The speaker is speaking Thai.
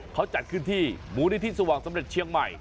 เค้าจัดคืนที่มธสว่างสำเร็จเชียงใหม่